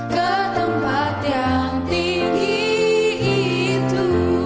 ketempat yang tinggi itu